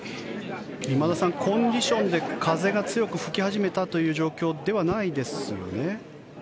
今田さんコンディションで風が強く吹き始めたという状況ではないですよね？